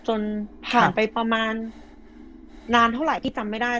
จนผ่านไปประมาณนานเท่าไหร่พี่จำไม่ได้